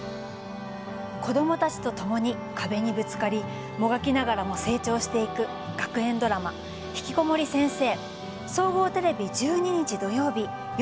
子どもたちとともに壁にぶつかりもがきながらも成長していく学園ドラマ「ひきこもり先生」。